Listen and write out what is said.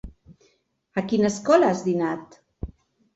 A quina escola has dinat?